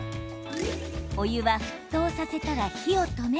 お湯は沸騰させたら火を止め